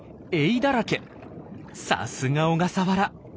さすが小笠原。